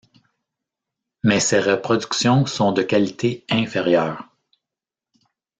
Mais ces reproductions sont de qualité inférieure.